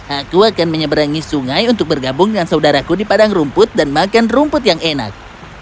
aku akan menyeberangi sungai untuk bergabung dengan saudaraku di padang rumput dan makan rumput yang enak